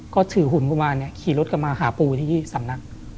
ก็ถือหุ่นกุมารเนี่ยขี่รถกลับมาหาปูที่สำนัก